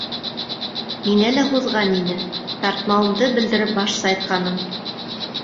Миңә лә һуҙған ине, тартмауымды белдереп баш сайҡаным.